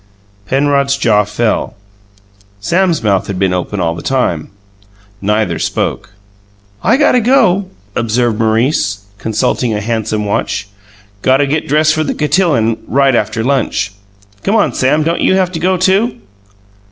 Penrod's jaw fell; Sam's mouth had been open all the time. Neither spoke. "I gotta go," observed Maurice, consulting a handsome watch. "Gotta get dressed for the cotillon right after lunch. Come on, Sam. Don't you have to go, too?"